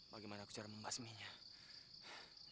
bagaimana aku cara membahas minyak